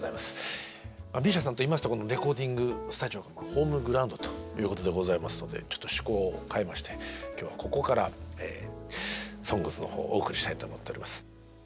ＭＩＳＩＡさんといいますとレコーディングスタジオがホームグラウンドということでございますのでちょっと趣向を変えまして今日はここから「ＳＯＮＧＳ」の方をお送りしたいと思っております。